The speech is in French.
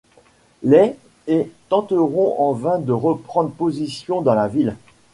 Les et tenteront en vain de reprendre position dans la ville.